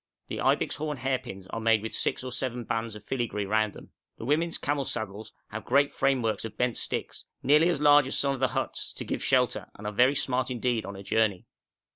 The ibex horn hairpins are made with six or seven bands of filigree round them. The women's camel saddles have great frameworks of bent sticks, nearly as large as some of the huts, to give shelter, and are very smart indeed on a journey.